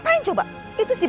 pantes aja kak fanny